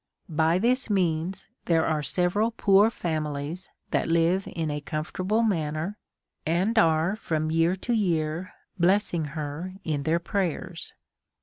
By this means there are many poor families that live in a comfortable manner, and are from year to year blessing her in their prayers.